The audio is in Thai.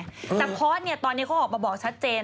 แต่พอสตอนนี้เขาออกมาบอกชัดเจน